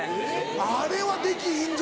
あれはできひんぞ。